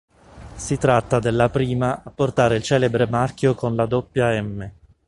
Si tratta della prima a portare il celebre marchio con la "doppia M".